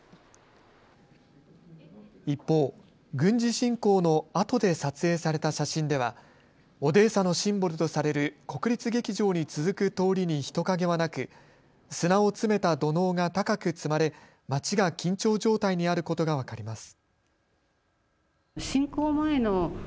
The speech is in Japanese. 一方、軍事侵攻のあとで撮影された写真ではオデーサのシンボルとされる国立劇場に続く通りに人影はなく、砂を詰めた土のうが高く積まれ町が緊張状態にあることが分かります。